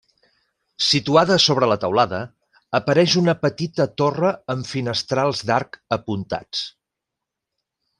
Situada sobre la teulada, apareix una petita torre amb finestrals d'arc apuntats.